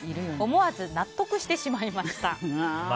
思わず、納得してしまいました。